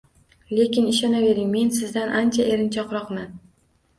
Lekin ishonavering, men sizdan ancha erinchoqroqman